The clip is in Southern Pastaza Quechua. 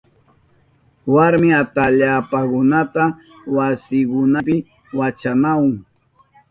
Warmi atallpakunaka wasinkunapi wachanahun.